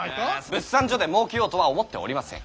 物産所でもうけようとは思っておりません。